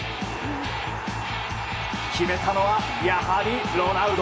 決めたのは、やはりロナウド！